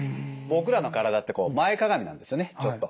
僕らの体ってこう前かがみなんですよねちょっと。